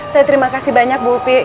saya terima kasih banyak bu upi